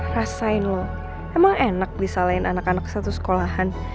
rasain lo emang enak bisa lain anak anak satu sekolahan